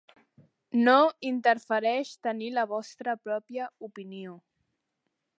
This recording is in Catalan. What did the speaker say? No interfereix tenir la vostra pròpia opinió.